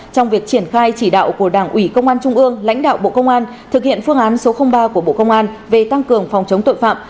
trong việc triển khai chỉ đạo của đảng ủy công an trung ương lãnh đạo bộ công an thực hiện phương án số ba của bộ công an về tăng cường phòng chống tội phạm